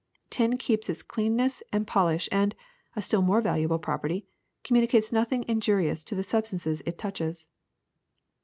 Tin keeps its cleanness and polish and — a still more valuable property — communicates noth ing injurious to the substances it touches.